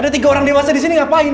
ada tiga orang dewasa di sini ngapain